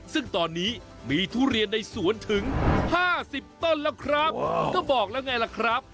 ซึ่งตอนนี้มีทุเรียนในสวนถึง๕๐ต้นแล้วครับก็บอกแล้วไงล่ะครับ